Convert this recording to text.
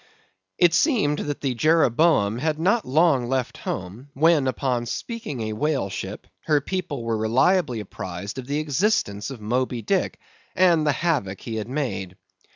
It seemed that the Jeroboam had not long left home, when upon speaking a whale ship, her people were reliably apprised of the existence of Moby Dick, and the havoc he had made.